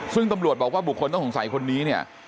ซึ่งตำรวจบอกว่าบุคคลต้องสงสัยคนนี้เนี่ย